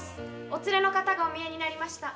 お連れの方がおみえになりました。